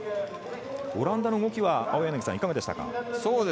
オランダの動きはいかがでしたか。